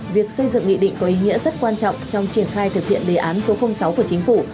việc xây dựng nghị định có ý nghĩa rất quan trọng trong triển khai thực hiện đề án số sáu của chính phủ